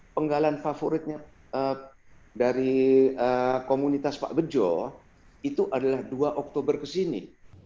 penggalan favoritnya dari komunitas pak bejo itu adalah dua oktober kesini